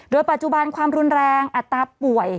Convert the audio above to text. โดยปัจจุบันความรุนแรงอัตราป่วย